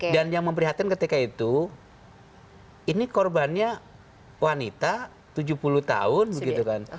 dan yang memperhatikan ketika itu ini korbannya wanita tujuh puluh tahun gitu kan